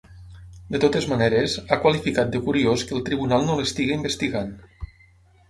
De totes maneres, ha qualificat de ‘curiós’ que el tribunal no l’estigui investigant.